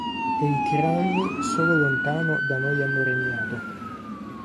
E i tiranni solo lontano da noi hanno regnato.